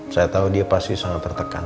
saya tahu dia pasti sangat tertekan